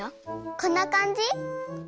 こんなかんじ？